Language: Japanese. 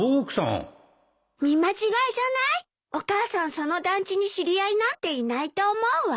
その団地に知り合いなんていないと思うわ。